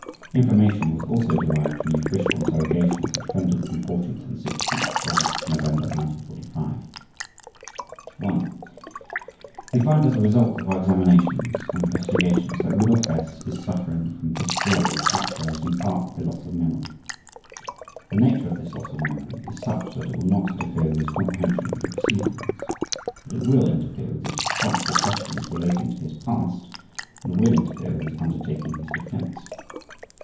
Information was also derived from the official interrogation of the defendant on 14 and 16 November 1945. (1) We find, as a result of our examinations and investigations, that Rudolf Hess is suffering from hysteria characterized in part by loss of memory. The nature of this loss of memory is such that it will not interfere with his comprehension of the proceedings, but it will interfere with his response to questions relating to his past and will interfere with his undertaking his defense.